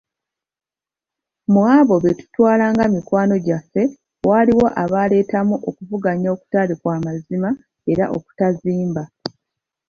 Mu abo be tutwalanga mikwano gyaffe waliwo abaleetamu okuvuganya okutali kwa mazima era okutazimba.